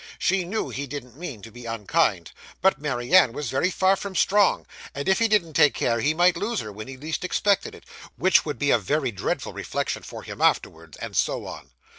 She knew he didn't mean to be unkind; but Mary Ann was very far from strong, and, if he didn't take care, he might lose her when he least expected it, which would be a very dreadful reflection for him afterwards; and so on.